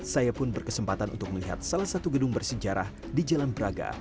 saya pun berkesempatan untuk melihat salah satu gedung bersejarah di jalan braga